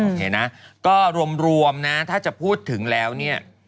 นะก็รวมนะถ้าจะพูดถึงแล้วเนี่ย